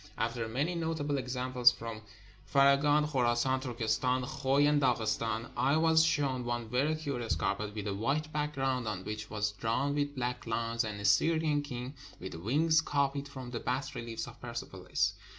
427 PERSIA After many notable examples from Faraghan, Kho rassan, Turkestan, Khoi, and Daghestan, I was shown one very curious carpet, with a white background, on which was drawn with black lines an Assyrian king with wings, copied from the bas reliefs of Persepolis.